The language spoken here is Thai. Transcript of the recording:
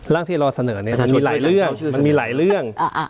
ที่เราเสนอเนี่ยมันมีหลายเรื่องมันมีหลายเรื่อง